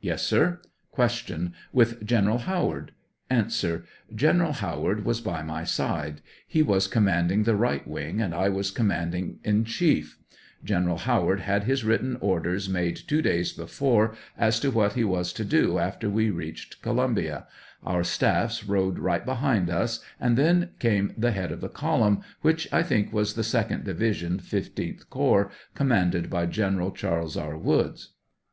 Yes, sir. Q. With General Howard ? A. General Howard was by my side ; he was com manding the right wing and I was commanding in chief; General Howard had his written orders made two days before as to what he was to do after we reached Columbia ; our staffs rode right behind us, and then came the head of the column, which I think was the 2d division 15th corps, commanded by General Charles E. Woods.